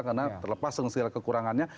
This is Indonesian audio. karena terlepas dengan segala kekurangannya